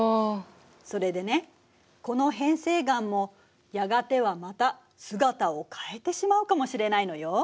それでねこの変成岩もやがてはまた姿を変えてしまうかもしれないのよ。